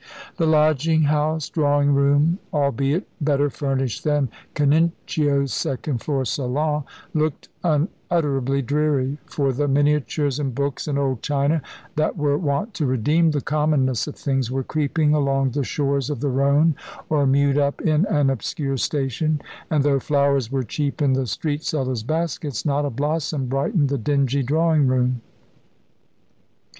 The lodging house drawing room, albeit better furnished than Canincio's second floor salon, looked unutterably dreary; for the miniatures and books, and old china, that were wont to redeem the commonness of things, were creeping along the shores of the Rhone or mewed up in an obscure station, and though flowers were cheap in the street sellers' baskets, not a blossom brightened the dingy drawing room.